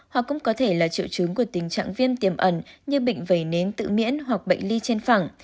hoặc cũng có thể là triệu chứng của tình trạng viêm tiềm ẩn như bệnh vẩy nến tự miễn hoặc bệnh ly trên phẳng